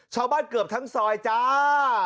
ชาวบ้านเกือบทั้งซอยจ้า